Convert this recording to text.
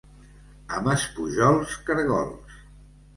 A Maspujols, caragols.